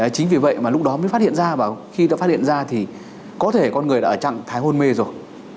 chính vì vậy mà lúc đó mới phát hiện ra và khi ta phát hiện ra thì có thể con người đã ở trạng thái hôn mê rồi